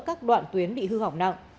các đoạn tuyến bị hư hỏng nặng